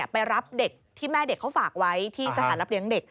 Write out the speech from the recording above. ไปรับเด็กที่แม่เด็กเขาฝากไว้ที่สถานรับเลี้ยงเด็ก